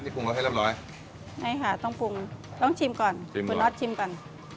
ปรุงรสให้เรียบร้อยใช่ค่ะต้องปรุงต้องชิมก่อนชิมคุณน็อตชิมก่อน